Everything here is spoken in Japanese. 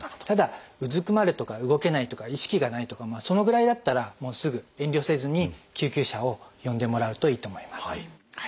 ただうずくまるとか動けないとか意識がないとかそのぐらいだったらすぐ遠慮せずに救急車を呼んでもらうといいと思います。